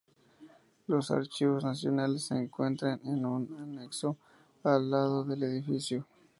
Los Archivos Nacionales se encuentran en un anexo al lado del edificio.